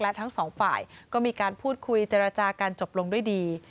และทั้งสองฝ่ายก็มีการพูดคุยเจรจากันจบลงด้วยดี